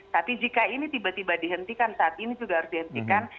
tapi jika ini tiba tiba dihentikan saat ini juga harus dihentikan